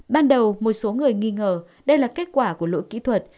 ban đầu một số người nghi ngờ đây là kết quả của lỗi kỹ thuật